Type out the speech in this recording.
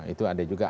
itu ada juga